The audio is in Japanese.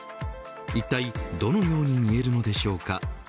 いったい、どのように見えるのでしょうか。